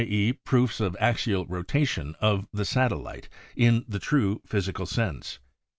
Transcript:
e., proofs of axial rotation of the satellite in the true physical sense.